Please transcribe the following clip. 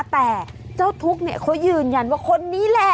แต่เจ้าทุกข์เนี่ยเขายืนยันว่าคนนี้แหละ